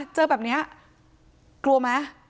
เจอแบบนี้กลัวไหม